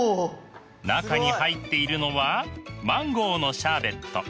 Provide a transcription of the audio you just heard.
中に入っているのはマンゴーのシャーベット。